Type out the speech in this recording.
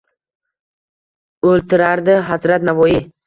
O’ltirardi Hazrat Navoiy